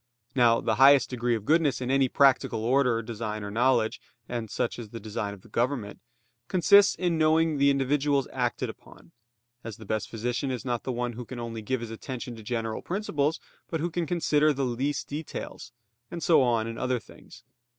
Now the highest degree of goodness in any practical order, design or knowledge (and such is the design of government) consists in knowing the individuals acted upon; as the best physician is not the one who can only give his attention to general principles, but who can consider the least details; and so on in other things.